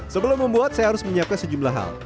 sebelum membuat saya harus menyiapkan sejumlah hal